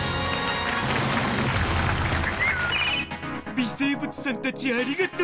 微生物さんたちありがとう！